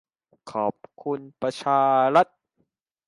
ขอบคุณประชารัฐ